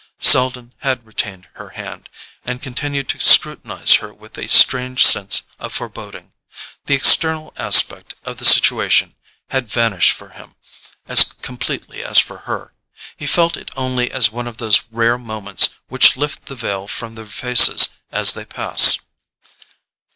Selden had retained her hand, and continued to scrutinize her with a strange sense of foreboding. The external aspect of the situation had vanished for him as completely as for her: he felt it only as one of those rare moments which lift the veil from their faces as they pass.